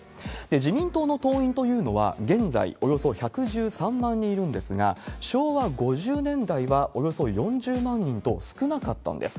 自民党の党員というのは現在、およそ１１３万人いるんですが、昭和５０年代はおよそ４０万人と少なかったんです。